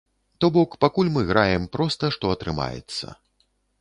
То бок, пакуль мы граем проста, што атрымаецца.